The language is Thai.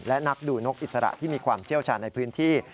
และนักดูนกอิสระที่มีความเชี่ยวชาญในพื้นที่